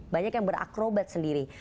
banyak yang berakrobat sendiri